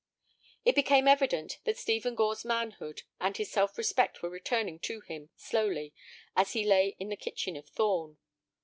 It became evident that Stephen Gore's manhood and his self respect were returning to him slowly as he lay in the kitchen of Thorn.